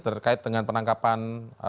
terkait dengan penangkapan